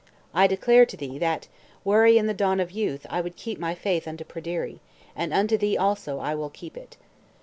I declare to thee, that, were I in the dawn of youth, I would keep my faith unto Pryderi, and unto thee also will I keep it.